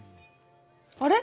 あれ？